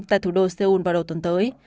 tại thủ đô seoul vào đầu tuần tới